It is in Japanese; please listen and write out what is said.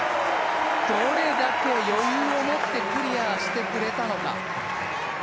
どれだけ余裕を持ってクリアしてくれたのか。